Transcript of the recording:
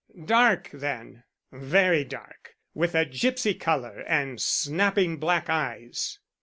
"Dark, then, very dark, with a gipsy color and snapping black eyes?"